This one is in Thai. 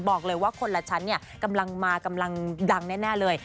บอกเลยว่าคนละชั้นเนี่ยกำลังมากำลังดังแน่เลย